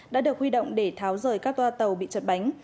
đã được huy động để tháo rời các toa tàu bị chật bánh